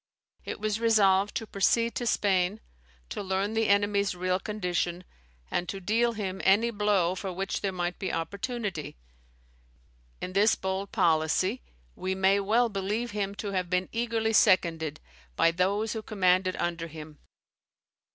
It was resolved to proceed to Spain, to learn the enemy's real condition, and to deal him any blow for which there might be opportunity. In this bold policy we may well believe him to have been eagerly seconded by those who commanded under him.